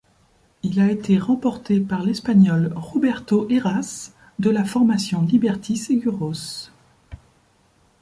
Il a été remporté par l'Espagnol Roberto Heras de la formation Liberty Seguros.